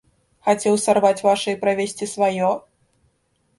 Хацеў сарваць ваша і правесці сваё?